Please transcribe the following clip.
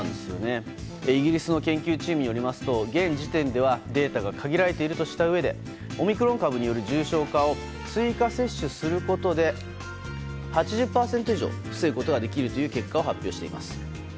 イギリスの研究チームによりますと現時点ではデータが限られているとしたうえでオミクロン株による重症化を追加接種することで、８０％以上防ぐことができる結果を発表しています。